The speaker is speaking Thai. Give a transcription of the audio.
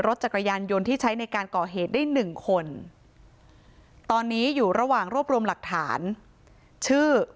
รถจักรยานยนต์ที่ใช้ในการก่อเหตุได้หนึ่งคนตอนนี้อยู่ระหว่างรวบรวมหลักฐานชื่อ